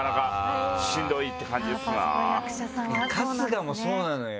春日もそうなのよ。